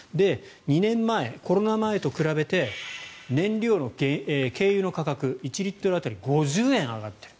２年前、コロナ前と比べて燃料の軽油の価格１リットル当たり５０円上がっている。